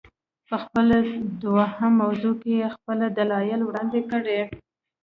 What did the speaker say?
په خپل دوهم مضمون کې یې خپل دلایل وړاندې کړي.